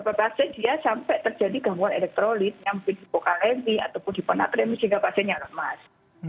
mungkin di pokalemi ataupun di ponatremi sehingga pasiennya lemas